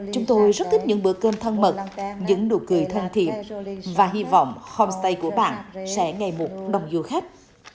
chúng tôi rất thích những bữa cơm thân mật những nụ cười thân thiện và hy vọng homestay của bạn sẽ ngày một đông du khách